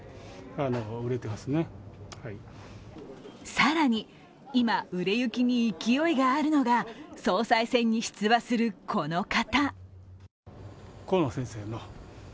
更に、今、売れ行きに勢いがあるのが総裁選に出馬するこの方。